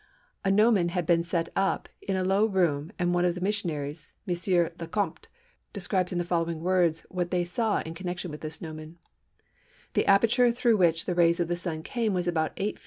A gnomon had been set up in a low room and one of the missionaries, M. Le Comte, describes in the following words what they saw in connection with this gnomon:—"The aperture through which the rays of the Sun came was about 8 ft.